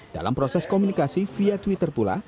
dalam proses komunikasi via twitter pula